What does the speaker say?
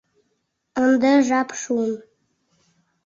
Ынде жап шуын.